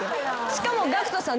しかもＧＡＣＫＴさん。